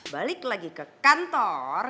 balik lagi ke kantor